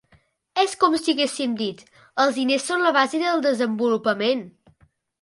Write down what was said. És com si haguéssim dit: "Els diners són la base del desenvolupament".